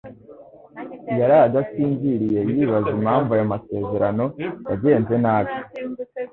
Yaraye adasinziriye yibaza impamvu ayo masezerano yagenze nabi.